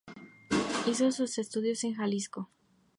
Hizo sus estudios en Jalisco.